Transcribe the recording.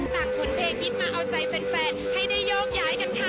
ที่แอบมาเรียกสายฝนโมเบาพร้อมพาแฟนให้ได้โยกย้ายกันค่ะ